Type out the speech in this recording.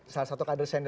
salah satu kadresen